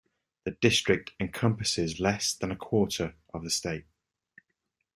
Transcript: The district encompasses less than a quarter of the state.